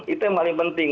itu yang paling penting